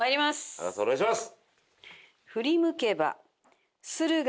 阿川さんお願いします！